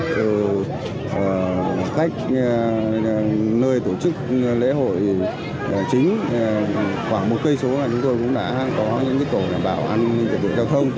từ cách nơi tổ chức lễ hội chính khoảng một km là chúng tôi cũng đã có những tổ đảm bảo an ninh trật tự giao thông